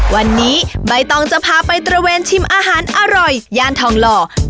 วันนี้ใบตองจะพาไปตระเวนชิมอาหารอร่อยย่านทองหล่อ